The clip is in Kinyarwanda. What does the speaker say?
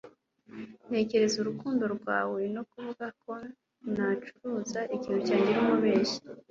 ntekereza urukundo rwawe no kuvuga ko nacuruza ikintu cyangira umubeshyi